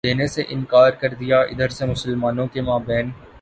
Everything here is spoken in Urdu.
دینے سے انکار کر دیا ادھر سے مسلمانوں کے مابین